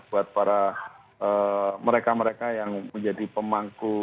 buat para mereka mereka yang menjadi pemangku